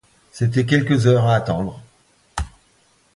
C’étaient quelques heures à attendre